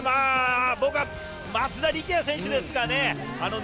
僕は松田力也選手ですかね。